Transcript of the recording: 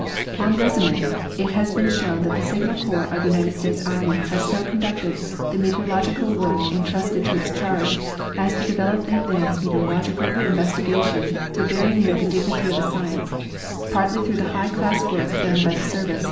En resume, it has been shown that the Signal corps of the United States army has so conducted the meteorological work entrusted to its charge as to develop) and advance meteorological investigation to very near thedignity of a science, partly through the high class of work done l^y the service